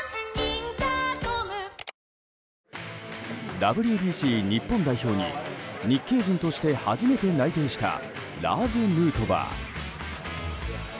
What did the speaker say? ＷＢＣ日本代表に日系人として初めて内定したラーズ・ヌートバー。